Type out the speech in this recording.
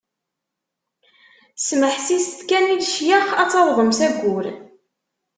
Smeḥsiset kan i lecyax ad tawḍem s ayyur!